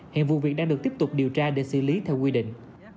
hiện vụ việc đang được tiếp tục điều tra để xử lý theo quy định